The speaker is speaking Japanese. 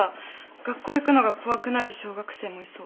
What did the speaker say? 学校行くのが怖くなる小学生もいそう。